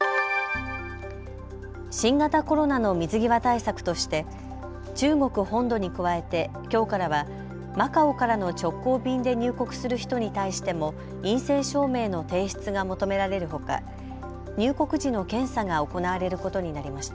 新型コロナの水際対策として中国本土に加えてきょうからはマカオからの直行便で入国する人に対しても陰性証明の提出が求められるほか入国時の検査が行われることになりました。